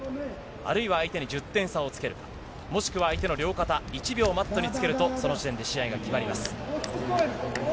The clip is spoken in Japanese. あるいは相手に１０点差をつけるか、もしくは相手の両肩、１秒マットにつけると、その時点で試合が決まります。